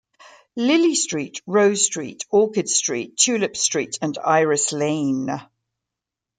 Lily Street, Rose Street, Orchid Street, Tulip Street, and Iris Lane.